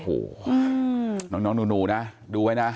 โอ้โหน้องหนูนะดูไว้นะ